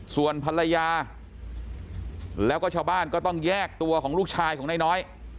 ส่วนภรรยาแล้วก็ชาวบ้านก็ต้องแยกตัวของลูกชายของนายน้อย